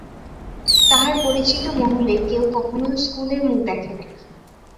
তাহার পরিচিত মহলে কেউ কখনও স্কুলের মুখ দেখে নাই।